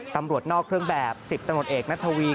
ตำรวจนอกเครื่องแบบ๑๐ตำรวจเอกนัทวี